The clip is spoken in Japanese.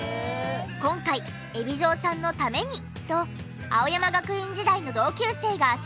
今回海老蔵さんのためにと青山学院時代の同級生が集合。